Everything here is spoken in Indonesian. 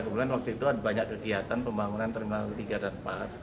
kemudian waktu itu ada banyak kegiatan pembangunan terminal tiga dan empat